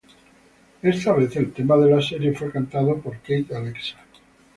Esta vez el tema de la serie fue cantado por Kate Alexa.